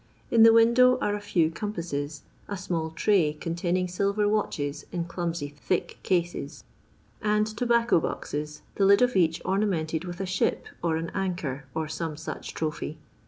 In the window are a few compasses, a small tray eentainiiifg silver watches in clumsy thick cases; and tobacco boxes, the lid of each ornamented with a ship, or an anchor, or some such trophy.